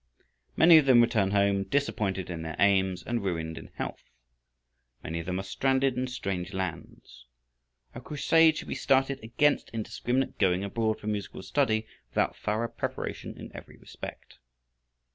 Many of them return home disappointed in their aims, and ruined in health. Many of them are stranded in strange lands. A crusade should be started against indiscriminate going abroad for music study, without thorough preparation in every respect.